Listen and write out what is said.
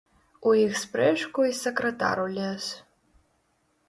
У іх спрэчку й сакратар улез.